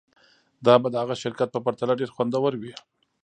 دا به د هغه شرکت په پرتله ډیر خوندور وي